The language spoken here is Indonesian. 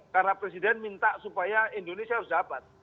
karena presiden minta supaya indonesia harus dapat